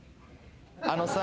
あのさ。